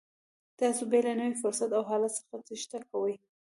تاسې به له نوي فرصت او حالت څخه تېښته کوئ.